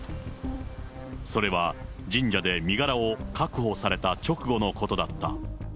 それは、神社で身柄を確保された直後のことだった。